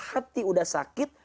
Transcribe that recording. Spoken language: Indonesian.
hati sudah sakit